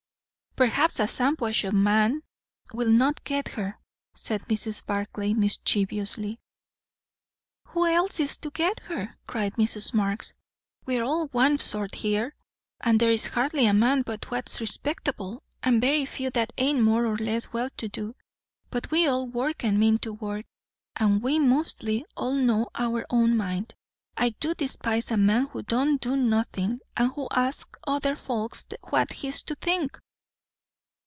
"Perhaps a Shampuashuh man will not get her," said Mrs. Barclay mischievously. "Who else is to get her?" cried Mrs. Marx. "We're all o' one sort here; and there's hardly a man but what's respectable, and very few that ain't more or less well to do; but we all work and mean to work, and we mostly all know our own mind. I do despise a man who don't do nothin', and who asks other folks what he's to think!"